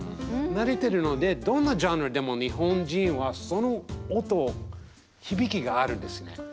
慣れてるのでどんなジャンルでも日本人はその音響きがあるんですね。